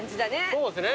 そうですね